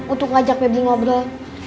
untuk mengajak febri ngobrol